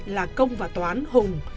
là công và tòa án hùng